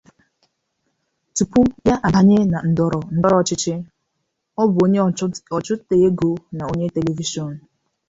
Tupu ya abanye na ndọrọ ndọrọ ọchịchị, ọ bụ onye ọchụnta ego na onye telivishọn.